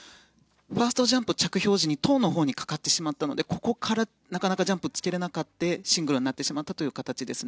ファーストジャンプ着氷時にトウのほうにかかってしまったのでここからなかなかジャンプをつけられなくてシングルになってしまった形です。